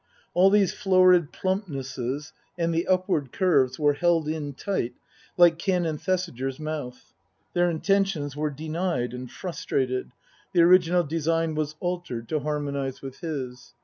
All these florid plumpnesses and the upward curves were held in tight, like Canon Thesiger's mouth. Their inten tions were denied and frustrated, the original design was altered to harmonize with his.